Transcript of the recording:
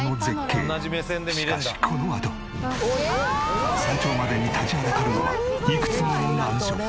しかしこのあと山頂までに立ちはだかるのはいくつもの難所。